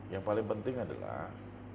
yang paling penting adalah